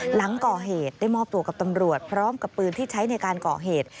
หลังก่อเหตุได้มอบตัวกับตำรวจพร้อมกับปืนที่ใช้ในการก่อเหตุ